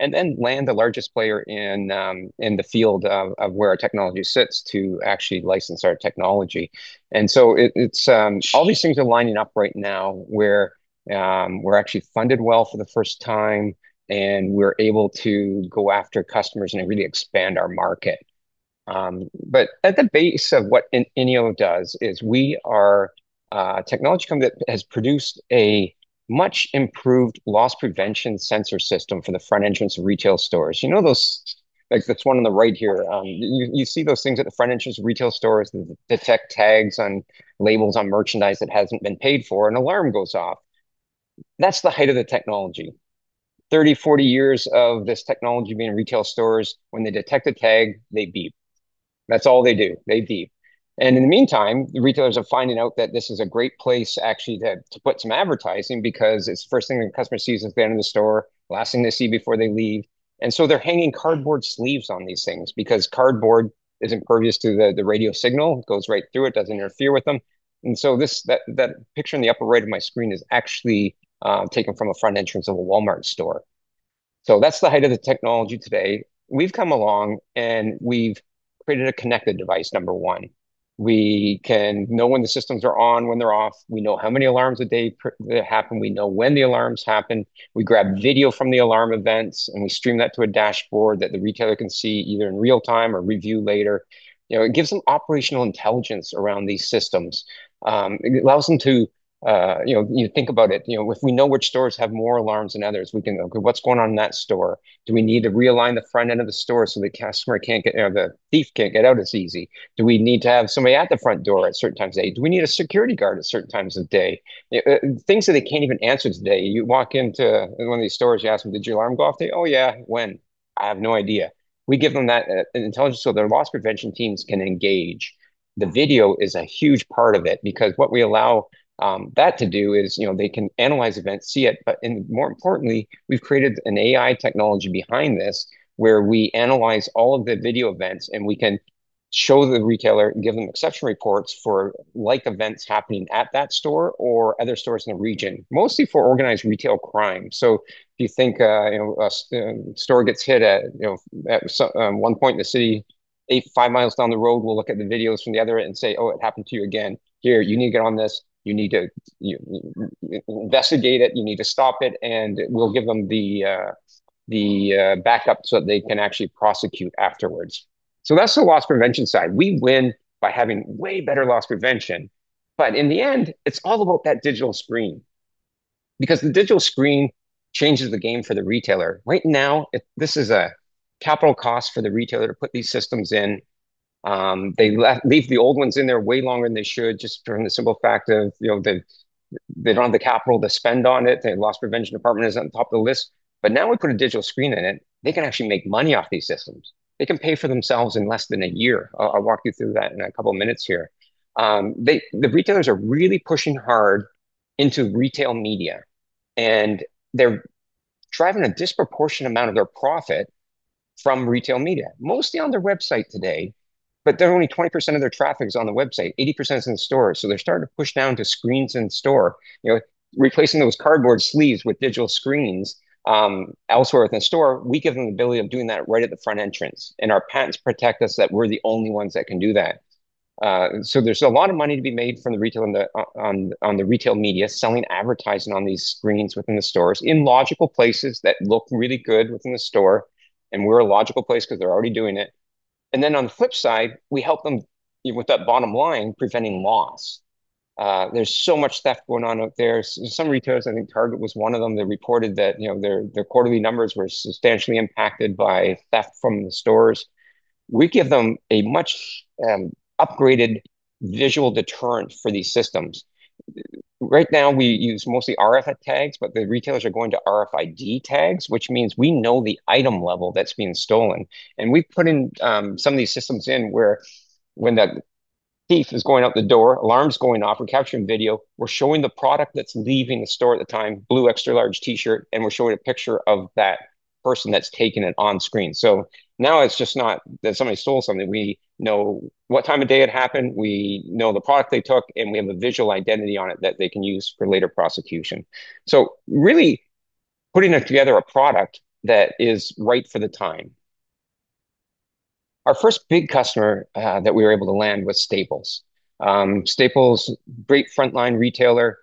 And then land the largest player in the field of where our technology sits to actually license our technology. And so all these things are lining up right now where we're actually funded well for the first time, and we're able to go after customers and really expand our market. But at the base of what INEO does is we are a technology company that has produced a much-improved loss prevention sensor system for the front entrance of retail stores. You know those. That's one on the right here. You see those things at the front entrance of retail stores that detect tags on labels on merchandise that hasn't been paid for, and an alarm goes off. That's the height of the technology. 30-40 years of this technology being in retail stores, when they detect a tag, they beep. That's all they do. They beep. And in the meantime, the retailers are finding out that this is a great place actually to put some advertising because it's the first thing a customer sees at the end of the store, last thing they see before they leave. And so they're hanging cardboard sleeves on these things because cardboard is impervious to the radio signal. It goes right through. It doesn't interfere with them. And so that picture in the upper right of my screen is actually taken from a front entrance of a Walmart store. So that's the height of the technology today. We've come along, and we've created a connected device, number one. We can know when the systems are on, when they're off. We know how many alarms a day happen. We know when the alarms happen. We grab video from the alarm events, and we stream that to a dashboard that the retailer can see either in real time or review later. It gives them operational intelligence around these systems. It allows them to, you think about it. If we know which stores have more alarms than others, we can go, "Okay, what's going on in that store? Do we need to realign the front end of the store so the customer can't get, the thief can't get out as easy? Do we need to have somebody at the front door at certain times of day? Do we need a security guard at certain times of day?" Things that they can't even answer today. You walk into one of these stores, you ask them, "Did your alarm go off today?" "Oh, yeah. When?" "I have no idea." We give them that intelligence so their loss prevention teams can engage. The video is a huge part of it because what we allow that to do is they can analyze events, see it. But more importantly, we've created an AI technology behind this where we analyze all of the video events, and we can show the retailer and give them exception reports for events happening at that store or other stores in the region, mostly for organized retail crime. So if you think a store gets hit at one point in the city, five miles down the road, we'll look at the videos from the other end and say, "Oh, it happened to you again. Here, you need to get on this. You need to investigate it. You need to stop it," and we'll give them the backup so that they can actually prosecute afterwards. That's the loss prevention side. We win by having way better loss prevention, but in the end, it's all about that digital screen because the digital screen changes the game for the retailer. Right now, this is a capital cost for the retailer to put these systems in. They leave the old ones in there way longer than they should just from the simple fact of they don't have the capital to spend on it. The loss prevention department is on top of the list, but now we put a digital screen in it. They can actually make money off these systems. They can pay for themselves in less than a year. I'll walk you through that in a couple of minutes here. The retailers are really pushing hard into retail media, and they're driving a disproportionate amount of their profit from retail media, mostly on their website today. But only 20% of their traffic is on the website. 80% is in stores. So they're starting to push down to screens in store. Replacing those cardboard sleeves with digital screens elsewhere within the store, we give them the ability of doing that right at the front entrance. And our patents protect us that we're the only ones that can do that. So there's a lot of money to be made from the retail media selling advertising on these screens within the stores in logical places that look really good within the store. And we're a logical place because they're already doing it. And then on the flip side, we help them with that bottom line, preventing loss. There's so much theft going on out there. Some retailers, I think Target was one of them, they reported that their quarterly numbers were substantially impacted by theft from the stores. We give them a much-upgraded visual deterrent for these systems. Right now, we use mostly RFID tags, but the retailers are going to RFID tags, which means we know the item level that's being stolen, and we've put in some of these systems in where when the thief is going out the door, alarm's going off, we're capturing video. We're showing the product that's leaving the store at the time, blue extra-large T-shirt, and we're showing a picture of that person that's taking it on screen, so now it's just not that somebody stole something. We know what time of day it happened. We know the product they took, and we have a visual identity on it that they can use for later prosecution. So really putting together a product that is right for the time. Our first big customer that we were able to land was Staples. Staples, great frontline retailer.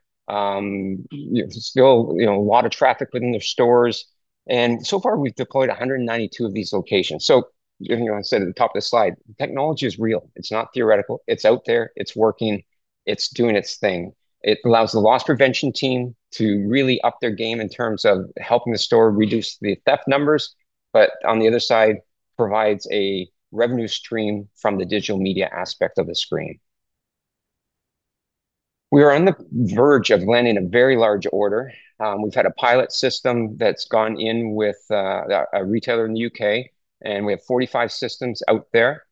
Still a lot of traffic within their stores. And so far, we've deployed 192 of these locations. So I said at the top of the slide, technology is real. It's not theoretical. It's out there. It's working. It's doing its thing. It allows the loss prevention team to really up their game in terms of helping the store reduce the theft numbers, but on the other side, provides a revenue stream from the digital media aspect of the screen. We are on the verge of landing a very large order. We've had a pilot system that's gone in with a retailer in the U.K., and we have 45 systems out there.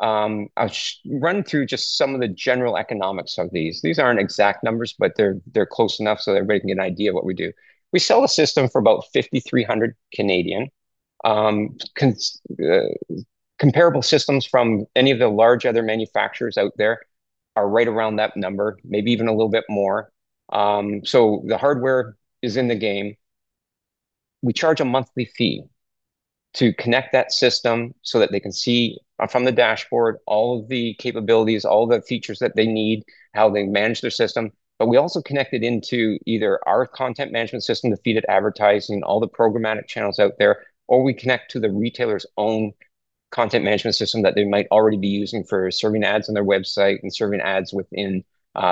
I'll run through just some of the general economics of these. These aren't exact numbers, but they're close enough so that everybody can get an idea of what we do. We sell a system for about 5,300. Comparable systems from any of the large other manufacturers out there are right around that number, maybe even a little bit more. So the hardware is in the game. We charge a monthly fee to connect that system so that they can see from the dashboard all of the capabilities, all the features that they need, how they manage their system. But we also connect it into either our content management system to feed it advertising, all the programmatic channels out there, or we connect to the retailer's own content management system that they might already be using for serving ads on their website and serving ads within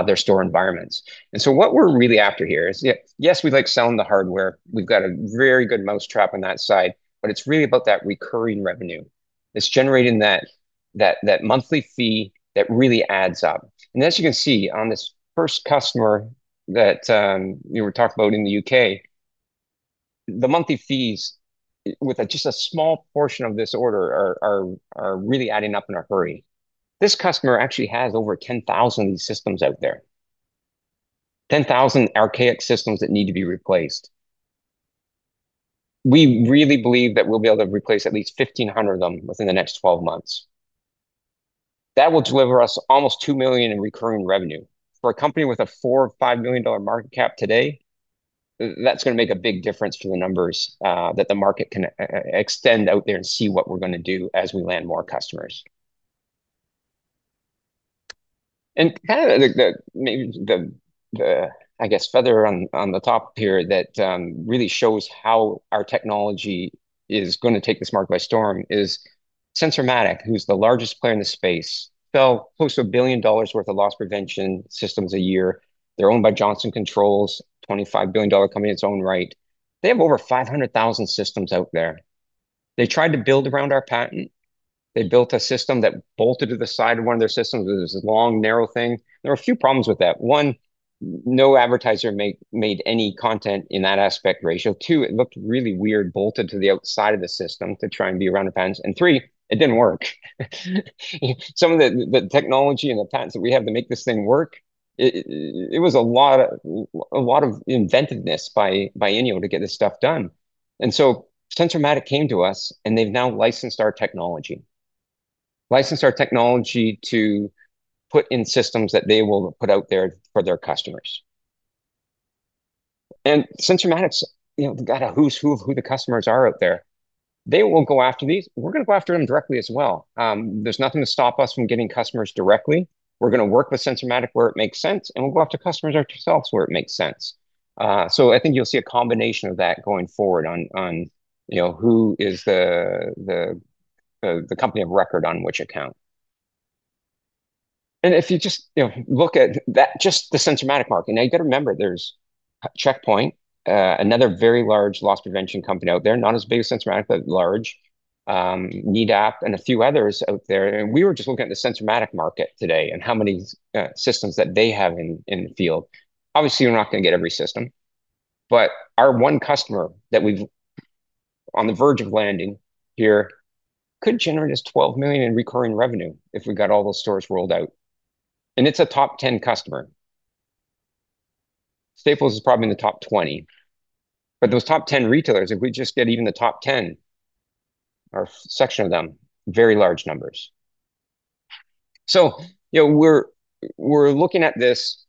their store environments. And so what we're really after here is, yes, we like selling the hardware. We've got a very good mousetrap on that side, but it's really about that recurring revenue. It's generating that monthly fee that really adds up. And as you can see on this first customer that we were talking about in the U.K., the monthly fees with just a small portion of this order are really adding up in a hurry. This customer actually has over 10,000 of these systems out there, 10,000 archaic systems that need to be replaced. We really believe that we'll be able to replace at least 1,500 of them within the next 12 months. That will deliver us almost 2 million in recurring revenue. For a company with a $4 million or $5 million market cap today, that's going to make a big difference to the numbers that the market can extend out there and see what we're going to do as we land more customers. And kind of the, I guess, feather on the top here that really shows how our technology is going to take this market by storm is Sensormatic, who's the largest player in the space. Sells close to $1 billion worth of loss prevention systems a year. They're owned by Johnson Controls, a $25 billion company in its own right. They have over 500,000 systems out there. They tried to build around our patent. They built a system that bolted to the side of one of their systems. It was a long, narrow thing. There were a few problems with that. One, no advertiser made any content in that aspect ratio. Two, it looked really weird bolted to the outside of the system to try and be around the patents. And three, it didn't work. Some of the technology and the patents that we have to make this thing work. It was a lot of inventiveness by INEO to get this stuff done. And so Sensormatic came to us, and they've now licensed our technology, licensed our technology to put in systems that they will put out there for their customers. And Sensormatic's got a who's who of who the customers are out there. They will go after these. We're going to go after them directly as well. There's nothing to stop us from getting customers directly. We're going to work with Sensormatic where it makes sense, and we'll go after customers ourselves where it makes sense. So I think you'll see a combination of that going forward on who is the company of record on which account. And if you just look at just the Sensormatic market, now you've got to remember there's Checkpoint, another very large loss prevention company out there, not as big as Sensormatic, but large, Nedap, and a few others out there. And we were just looking at the Sensormatic market today and how many systems that they have in the field. Obviously, we're not going to get every system. But our one customer that we've on the verge of landing here could generate us 12 million in recurring revenue if we got all those stores rolled out. And it's a top 10 customer. Staples is probably in the top 20. But those top 10 retailers, if we just get even the top 10, our section of them, very large numbers. So we're looking at this.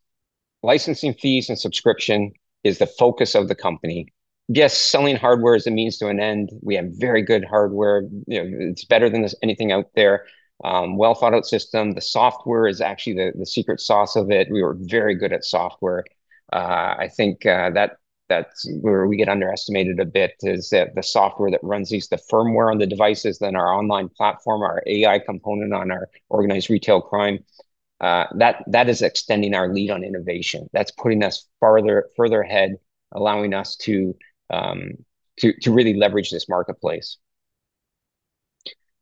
Licensing fees and subscription is the focus of the company. Yes, selling hardware is a means to an end. We have very good hardware. It's better than anything out there. Well-thought-out system. The software is actually the secret sauce of it. We were very good at software. I think that's where we get underestimated a bit is that the software that runs these, the firmware on the devices, then our online platform, our AI component on our organized retail crime, that is extending our lead on innovation. That's putting us further ahead, allowing us to really leverage this marketplace.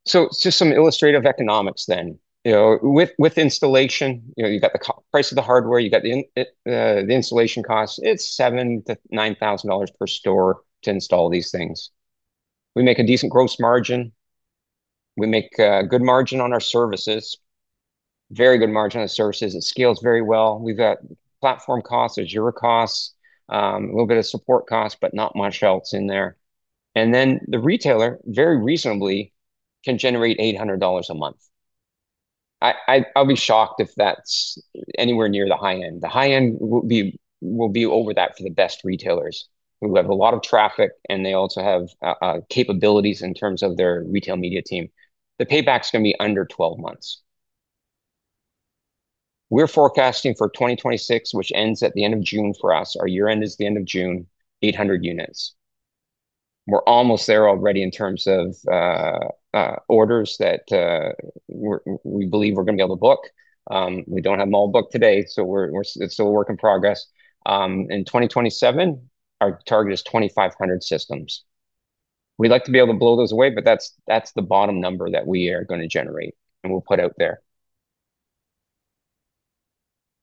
So just some illustrative economics then. With installation, you've got the price of the hardware. You've got the installation cost. It's $7,000-$9,000 per store to install these things. We make a decent gross margin. We make a good margin on our services, very good margin on our services. It scales very well. We've got platform costs, Azure costs, a little bit of support costs, but not much else in there, and then the retailer, very reasonably, can generate $800 a month. I'll be shocked if that's anywhere near the high end. The high end will be over that for the best retailers. We have a lot of traffic, and they also have capabilities in terms of their retail media team. The payback's going to be under 12 months. We're forecasting for 2026, which ends at the end of June for us. Our year-end is the end of June, 800 units. We're almost there already in terms of orders that we believe we're going to be able to book. We don't have them all booked today, so we're still a work in progress. In 2027, our target is 2,500 systems. We'd like to be able to blow those away, but that's the bottom number that we are going to generate and we'll put out there.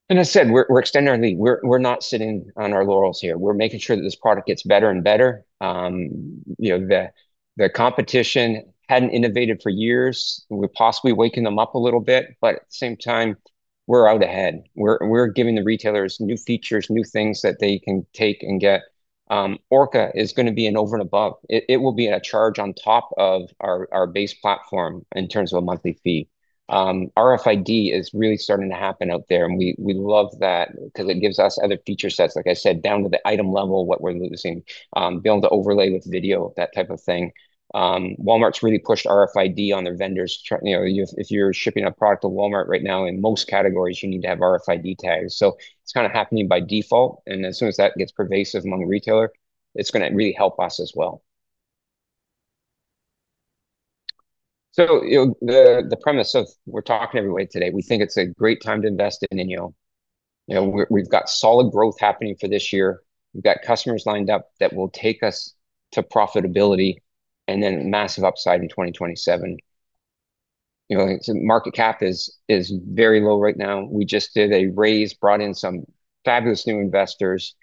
And as I said, we're extending our lead. We're not sitting on our laurels here. We're making sure that this product gets better and better. The competition hadn't innovated for years. We're possibly waking them up a little bit, but at the same time, we're out ahead. We're giving the retailers new features, new things that they can take and get. ORC is going to be an over and above. It will be a charge on top of our base platform in terms of a monthly fee. RFID is really starting to happen out there, and we love that because it gives us other feature sets, like I said, down to the item level, what we're losing, being able to overlay with video, that type of thing. Walmart's really pushed RFID on their vendors. If you're shipping a product to Walmart right now, in most categories, you need to have RFID tags. So it's kind of happening by default. And as soon as that gets pervasive among the retailer, it's going to really help us as well. So the premise of we're talking every way today, we think it's a great time to invest in INEO. We've got solid growth happening for this year. We've got customers lined up that will take us to profitability and then massive upside in 2027. Market cap is very low right now. We just did a raise, brought in some fabulous new investors.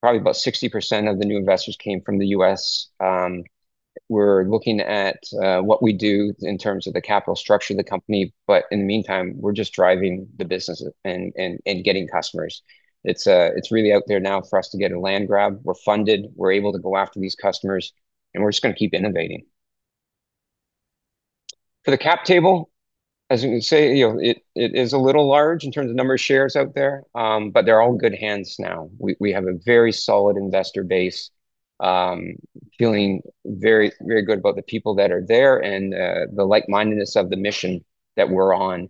Probably about 60% of the new investors came from the U.S. We're looking at what we do in terms of the capital structure of the company. But in the meantime, we're just driving the business and getting customers. It's really out there now for us to get a land grab. We're funded. We're able to go after these customers, and we're just going to keep innovating. For the cap table, as we say, it is a little large in terms of number of shares out there, but they're all in good hands now. We have a very solid investor base, feeling very good about the people that are there and the like-mindedness of the mission that we're on.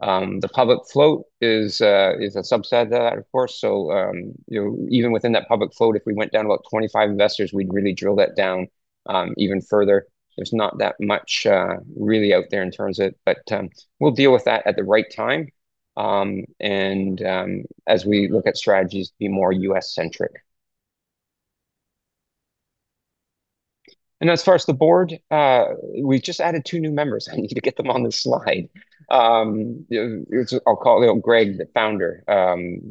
The public float is a subset of that, of course. So even within that public float, if we went down about 25 investors, we'd really drill that down even further. There's not that much really out there in terms of it, but we'll deal with that at the right time. And as we look at strategies, be more U.S.-centric. And as far as the board, we've just added two new members. I need to get them on the slide. I'll call Greg the founder.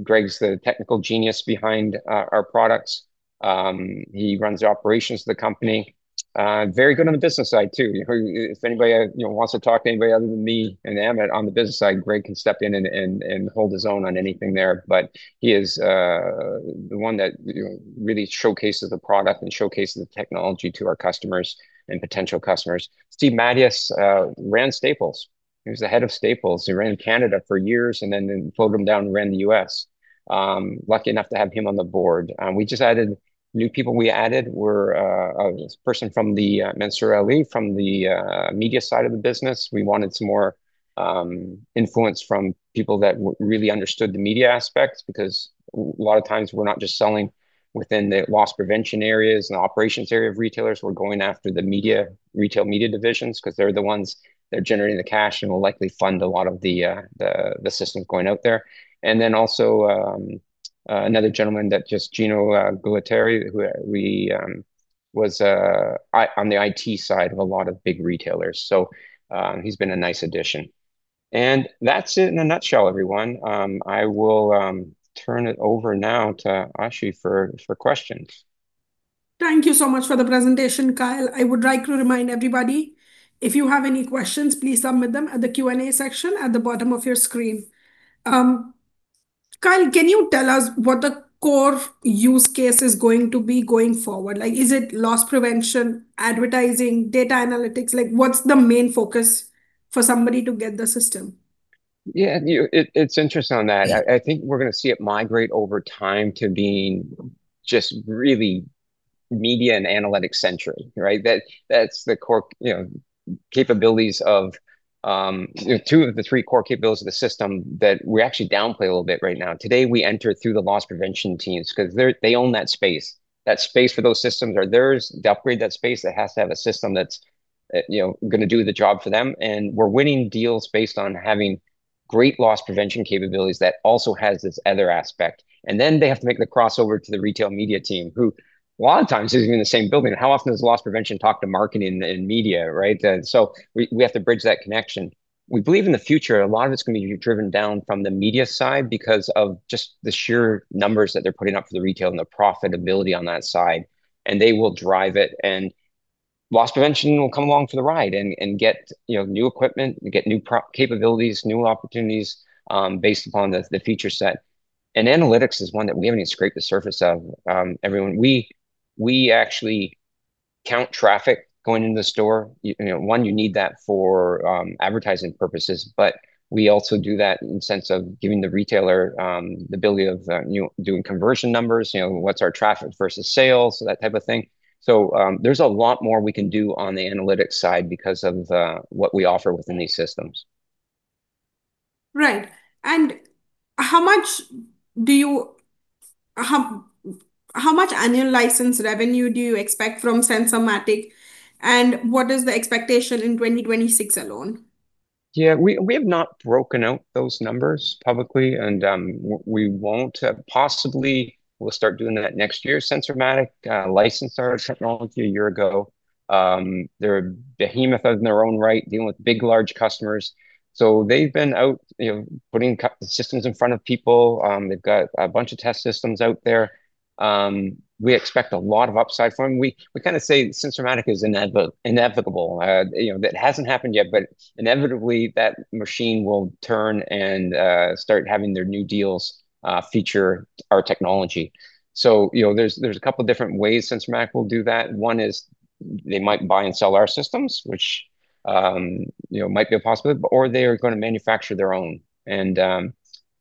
Greg's the technical genius behind our products. He runs the operations of the company. Very good on the business side too. If anybody wants to talk to anybody other than me and Amit on the business side, Greg can step in and hold his own on anything there. But he is the one that really showcases the product and showcases the technology to our customers and potential customers. Steve Matyas ran Staples. He was the head of Staples. He ran Canada for years and then folded him down and ran the U.S., lucky enough to have him on the board. We just added new people. We added Manzar Ali from the media side of the business. We wanted some more influence from people that really understood the media aspects because a lot of times we're not just selling within the loss prevention areas and the operations area of retailers. We're going after the media retail media divisions because they're the ones that are generating the cash and will likely fund a lot of the systems going out there. And then also another gentleman that just, Gino Gualtieri, who was on the IT side of a lot of big retailers. So he's been a nice addition. And that's it in a nutshell, everyone. I will turn it over now to Ashi for questions. Thank you so much for the presentation, Kyle. I would like to remind everybody, if you have any questions, please submit them at the Q&A section at the bottom of your screen. Kyle, can you tell us what the core use case is going to be going forward? Is it loss prevention, advertising, data analytics? What's the main focus for somebody to get the system? Yeah, it's interesting on that. I think we're going to see it migrate over time to being just really media and analytics-centricity, right? That's the core capabilities of two of the three core capabilities of the system that we actually downplay a little bit right now. Today, we enter through the loss prevention teams because they own that space. That space for those systems are theirs. To upgrade that space, they have to have a system that's going to do the job for them. And we're winning deals based on having great loss prevention capabilities that also has this other aspect. And then they have to make the crossover to the retail media team, who a lot of times is in the same building. How often does loss prevention talk to marketing and media, right? So we have to bridge that connection. We believe in the future, a lot of it's going to be driven down from the media side because of just the sheer numbers that they're putting up for the retail and the profitability on that side. And they will drive it. And loss prevention will come along for the ride and get new equipment, get new capabilities, new opportunities based upon the feature set. And analytics is one that we haven't even scratched the surface of, everyone. We actually count traffic going into the store. One, you need that for advertising purposes, but we also do that in the sense of giving the retailer the ability of doing conversion numbers, what's our traffic versus sales, that type of thing. So there's a lot more we can do on the analytics side because of what we offer within these systems. Right. And how much annual license revenue do you expect from Sensormatic? And what is the expectation in 2026 alone? Yeah, we have not broken out those numbers publicly, and we won't possibly. We'll start doing that next year. Sensormatic licensed our technology a year ago. They're behemoths in their own right, dealing with big, large customers. So they've been out putting the systems in front of people. They've got a bunch of test systems out there. We expect a lot of upside for them. We kind of say Sensormatic is inevitable. It hasn't happened yet, but inevitably, that machine will turn and start having their new deals feature our technology. So there's a couple of different ways Sensormatic will do that. One is they might buy and sell our systems, which might be a possibility, or they are going to manufacture their own, and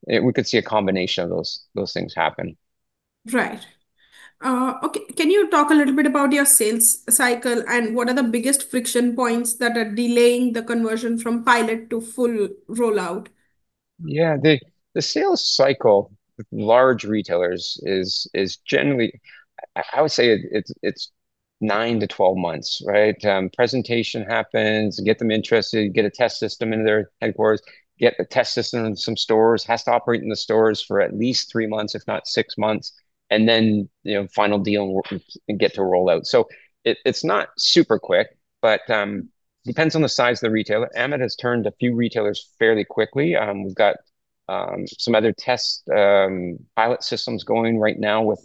we could see a combination of those things happen. Right. Okay. Can you talk a little bit about your sales cycle and what are the biggest friction points that are delaying the conversion from pilot to full rollout? Yeah, the sales cycle with large retailers is generally, I would say it's nine-12 months, right? Presentation happens, get them interested, get a test system into their headquarters, get the test system in some stores, has to operate in the stores for at least three months, if not six months, and then final deal and get to rollout. So it's not super quick, but it depends on the size of the retailer. Amit has turned a few retailers fairly quickly. We've got some other test pilot systems going right now with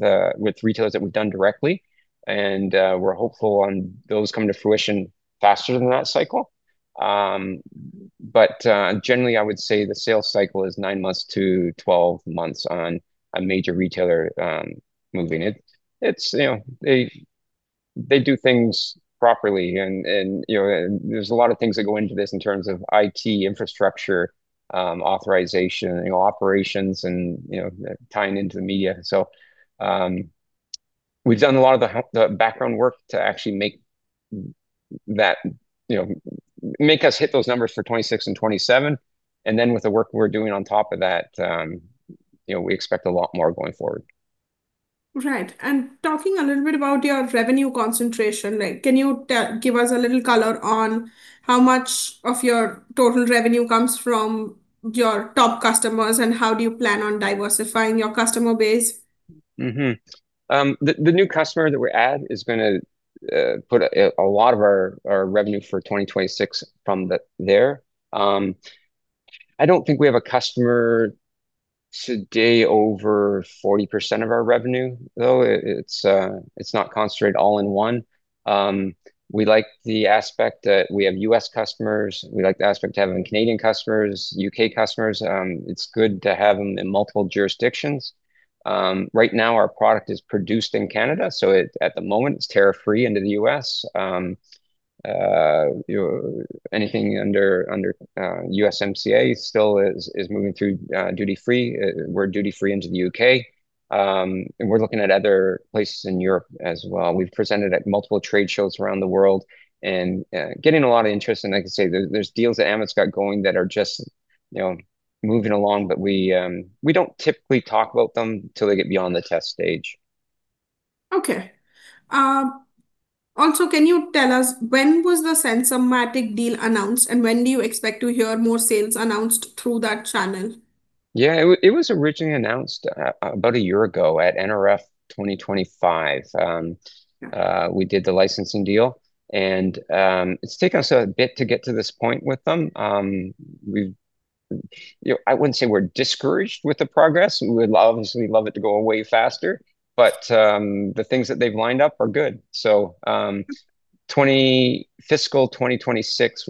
retailers that we've done directly. And we're hopeful on those coming to fruition faster than that cycle. But generally, I would say the sales cycle is nine months to 12 months on a major retailer moving it. They do things properly. And there's a lot of things that go into this in terms of IT infrastructure, authorization, operations, and tying into the media. So we've done a lot of the background work to actually make us hit those numbers for 2026 and 2027. And then with the work we're doing on top of that, we expect a lot more going forward. Right. And talking a little bit about your revenue concentration, can you give us a little color on how much of your total revenue comes from your top customers and how do you plan on diversifying your customer base? The new customer that we're at is going to put a lot of our revenue for 2026 from there. I don't think we have a customer today over 40% of our revenue, though. It's not concentrated all in one. We like the aspect that we have U.S. customers. We like the aspect to have Canadian customers, U.K. customers. It's good to have them in multiple jurisdictions. Right now, our product is produced in Canada, so at the moment, it's tariff-free into the U.S. Anything under USMCA still is moving through duty-free. We're duty-free into the U.K., and we're looking at other places in Europe as well. We've presented at multiple trade shows around the world and getting a lot of interest, and like I say, there's deals that Amit's got going that are just moving along, but we don't typically talk about them until they get beyond the test stage. Okay. Also, can you tell us when was the Sensormatic deal announced and when do you expect to hear more sales announced through that channel? Yeah, it was originally announced about a year ago at NRF 2025. We did the licensing deal, and it's taken us a bit to get to this point with them. I wouldn't say we're discouraged with the progress. We would obviously love it to go away faster, but the things that they've lined up are good. So fiscal 2026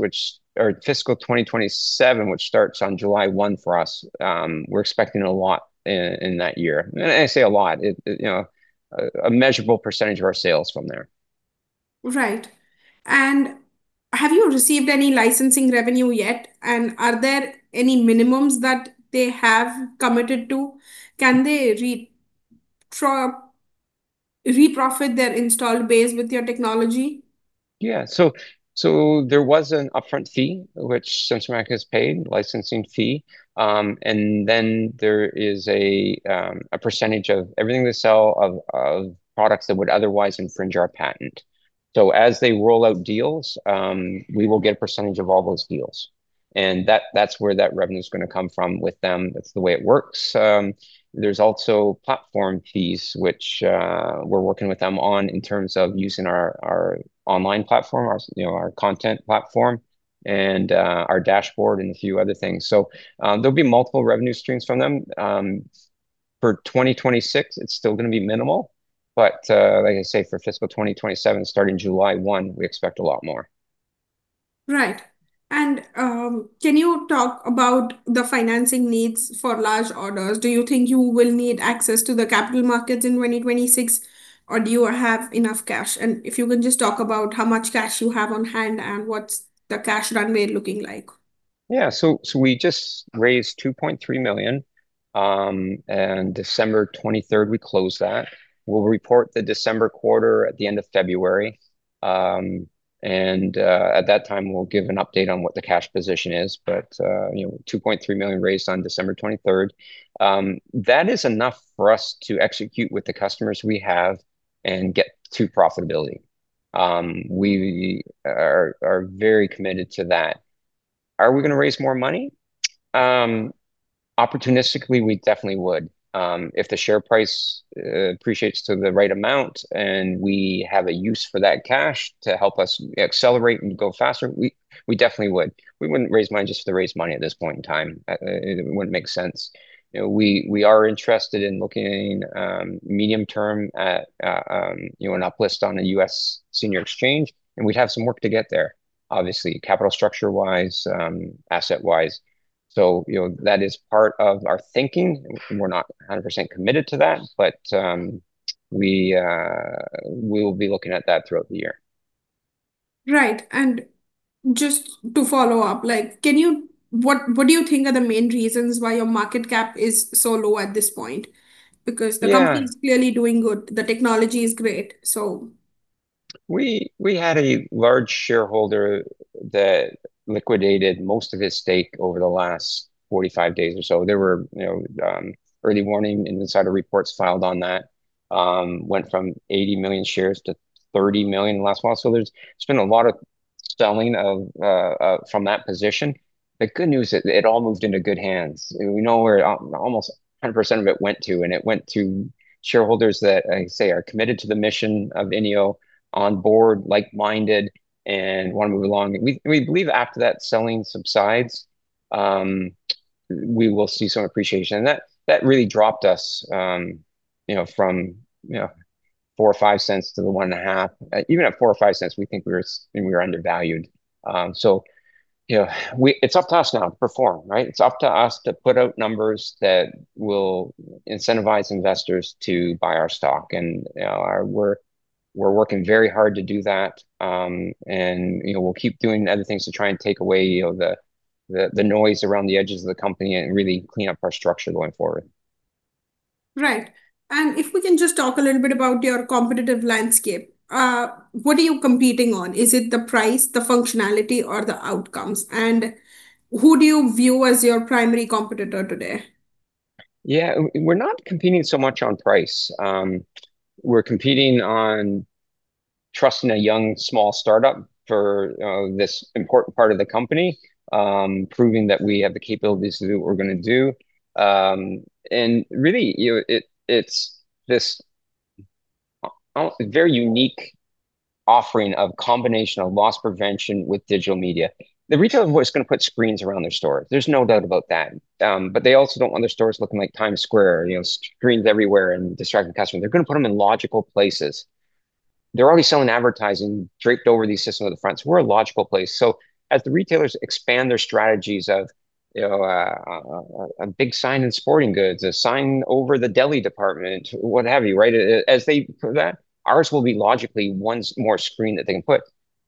or fiscal 2027, which starts on July 1 for us, we're expecting a lot in that year, and I say a lot, a measurable percentage of our sales from there. Right. And have you received any licensing revenue yet? And are there any minimums that they have committed to? Can they reprofit their installed base with your technology? Yeah. So there was an upfront fee, which Sensormatic has paid, licensing fee. And then there is a percentage of everything they sell of products that would otherwise infringe our patent. So as they roll out deals, we will get a percentage of all those deals. And that's where that revenue is going to come from with them. That's the way it works. There's also a platform piece, which we're working with them on in terms of using our online platform, our content platform, and our dashboard and a few other things. So there'll be multiple revenue streams from them. For 2026, it's still going to be minimal. But like I say, for fiscal 2027, starting July 1, we expect a lot more. Right. And can you talk about the financing needs for large orders? Do you think you will need access to the capital markets in 2026, or do you have enough cash? And if you can just talk about how much cash you have on hand and what's the cash runway looking like? Yeah. So we just raised $2.3 million, and December 23rd, we closed that. We'll report the December quarter at the end of February, and at that time, we'll give an update on what the cash position is, but $2.3 million raised on December 23rd. That is enough for us to execute with the customers we have and get to profitability. We are very committed to that. Are we going to raise more money? Opportunistically, we definitely would. If the share price appreciates to the right amount and we have a use for that cash to help us accelerate and go faster, we definitely would. We wouldn't raise money just to raise money at this point in time. It wouldn't make sense. We are interested in looking medium term at an uplist on a U.S. senior exchange, and we'd have some work to get there, obviously, capital structure-wise, asset-wise. So that is part of our thinking. We're not 100% committed to that, but we will be looking at that throughout the year. Right, and just to follow up, what do you think are the main reasons why your market cap is so low at this point? Because the company is clearly doing good. The technology is great, so. We had a large shareholder that liquidated most of his stake over the last 45 days or so. There were early warning and insider reports filed on that. Went from 80 million shares to 30 million last month. So there's been a lot of selling from that position. The good news is it all moved into good hands. We know where almost 100% of it went to, and it went to shareholders that, I say, are committed to the mission of INEO, on board, like-minded, and want to move along. We believe after that selling subsides, we will see some appreciation. And that really dropped us from 0.04-0.05 to 0.015. Even at 0.04-0.05, we think we were undervalued. So it's up to us now to perform, right? It's up to us to put out numbers that will incentivize investors to buy our stock. And we're working very hard to do that. And we'll keep doing other things to try and take away the noise around the edges of the company and really clean up our structure going forward. Right. And if we can just talk a little bit about your competitive landscape, what are you competing on? Is it the price, the functionality, or the outcomes? And who do you view as your primary competitor today? Yeah, we're not competing so much on price. We're competing on trusting a young, small startup for this important part of the company, proving that we have the capabilities to do what we're going to do. And really, it's this very unique offering of combination of loss prevention with digital media. The retailer is going to put screens around their stores. There's no doubt about that. But they also don't want their stores looking like Times Square, screens everywhere and distracting customers. They're going to put them in logical places. They're already selling advertising draped over these systems at the front. So we're a logical place. So as the retailers expand their strategies of a big sign in sporting goods, a sign over the deli department, what have you, right? As they put that, ours will be logically one more screen that they can put.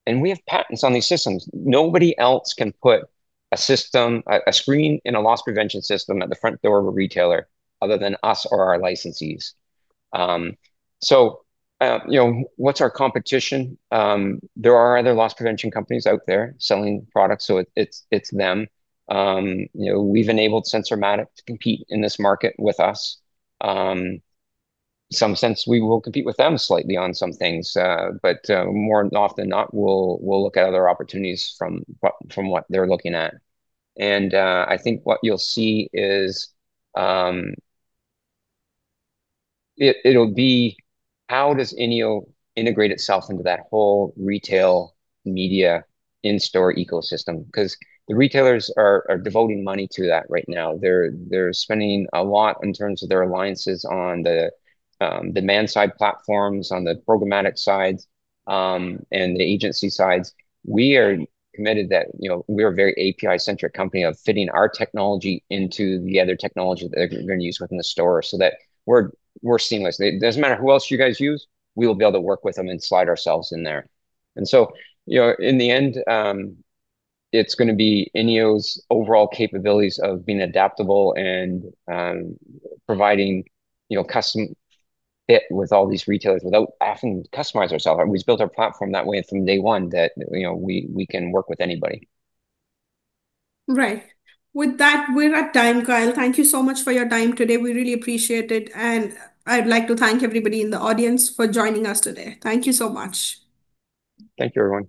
And we have patents on these systems. Nobody else can put a screen in a loss prevention system at the front door of a retailer other than us or our licensees. So what's our competition? There are other loss prevention companies out there selling products, so it's them. We've enabled Sensormatic to compete in this market with us. In some sense, we will compete with them slightly on some things, but more often than not, we'll look at other opportunities from what they're looking at. And I think what you'll see is it'll be how does INEO integrate itself into that whole retail media in-store ecosystem? Because the retailers are devoting money to that right now. They're spending a lot in terms of their alliances on the demand-side platforms, on the programmatic sides, and the agency sides. We are committed that we're a very API-centric company of fitting our technology into the other technology that they're going to use within the store so that we're seamless. It doesn't matter who else you guys use, we will be able to work with them and slide ourselves in there, and so in the end, it's going to be INEO's overall capabilities of being adaptable and providing custom fit with all these retailers without having to customize ourselves. We've built our platform that way from day one that we can work with anybody. Right. With that, we're at time, Kyle. Thank you so much for your time today. We really appreciate it. And I'd like to thank everybody in the audience for joining us today. Thank you so much. Thank you, everyone.